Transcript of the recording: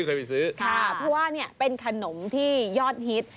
ค่ะเพราะว่าเป็นขนมที่ยอดฮิต